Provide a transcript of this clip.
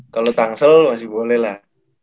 kalau tangsel masih boleh lah